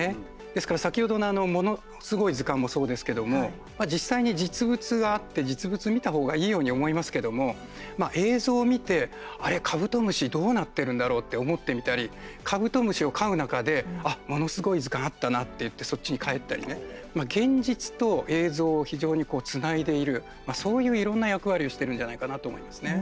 ですから先ほどの「ものすごい図鑑」もそうですけども、実際に実物あって、実物見たほうがいいように思いますけども映像を見て、あれカブトムシどうなってるんだろうって思ってみたり、カブトムシを飼う中で「ものすごい図鑑」あったなっていってそっちに帰ったりね現実と映像を非常につないでいるそういういろんな役割をしてるんじゃないかなと思いますね。